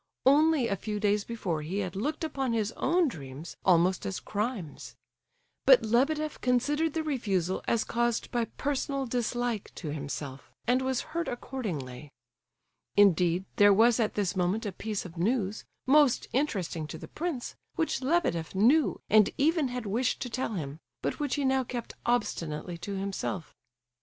Only a few days before he had looked upon his own dreams almost as crimes. But Lebedeff considered the refusal as caused by personal dislike to himself, and was hurt accordingly. Indeed, there was at this moment a piece of news, most interesting to the prince, which Lebedeff knew and even had wished to tell him, but which he now kept obstinately to himself.